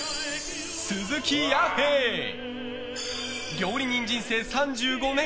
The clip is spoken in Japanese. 料理人人生３５年。